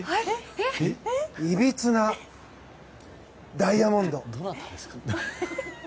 いびつなダイヤモンド。